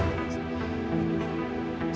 saya juga pak